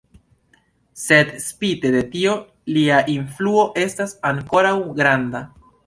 Sed spite de tio, lia influo estas ankoraŭ granda.